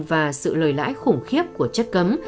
và sự lời lãi khủng khiếp của chất cấm